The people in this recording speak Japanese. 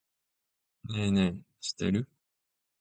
ねぇねぇ、知ってる？